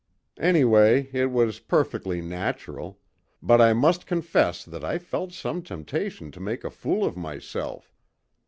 "Anyway, it was perfectly natural; but I must confess that I felt some temptation to make a fool of myself.